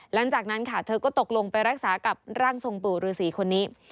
หลังจากนั้นค่ะเธอก็ตกลงไปรักษากับร่างทรงปู่ฤษีคนนี้